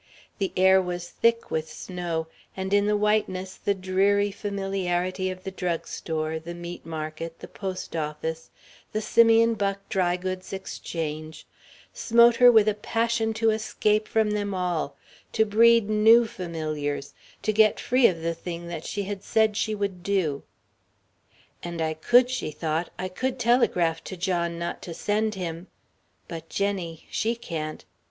The air was thick with snow, and in the whiteness the dreary familiarity of the drug store, the meat market, the post office, the Simeon Buck Dry Goods Exchange, smote her with a passion to escape from them all, to breed new familiars, to get free of the thing that she had said she would do. "And I could," she thought; "I could telegraph to John not to send him. But Jenny she can't.